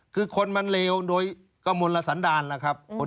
คือคนมันเลวโดยกระมลสันดาลล่ะครับ